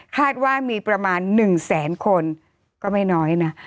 คาดว่ามีประมาณ๑แสนคนก็ไม่น้อยนะ